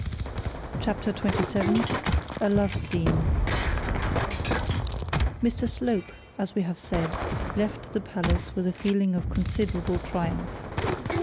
CHAPTER XXVII A LOVE SCENE Mr Slope, as we have said, left the palace with a feeling of considerable triumph.